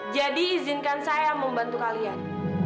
jadi izinkan saya membantu kalian